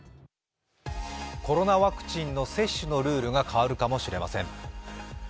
コロナワクチンの接種のルールが変わるかもしれません。